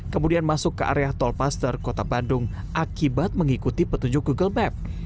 kemudian masuk ke area tolpaster kota bandung akibat mengikuti petunjuk google map